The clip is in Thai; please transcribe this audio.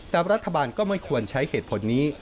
แต่รัฐบาลก็ไม่ควรใช้เหตุผลนี้